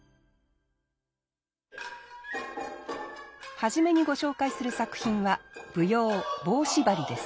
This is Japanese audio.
初めにご紹介する作品は舞踊「棒しばり」です。